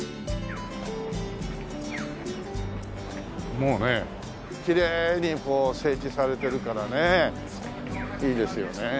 もうねきれいに整地されてるからねいいですよね。